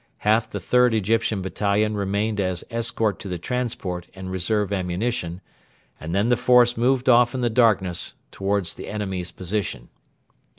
Half the 3rd Egyptian Battalion remained as escort to the transport and reserve ammunition, and then the force moved off in the darkness towards the enemy's position.